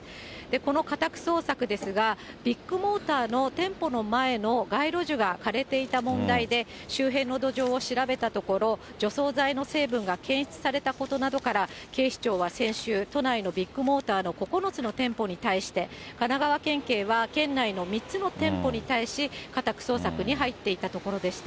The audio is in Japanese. この家宅捜索ですが、ビッグモーターの店舗の前の街路樹が枯れていた問題で、周辺の土壌を調べたところ、除草剤の成分が検出されたことなどから警視庁は先週、都内のビッグモーターの９つの店舗に対して、神奈川県警は県内の３つの店舗に対し、家宅捜索に入っていたところでした。